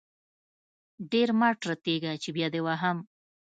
ډير مه ټرتيږه چې بيا دې وهم.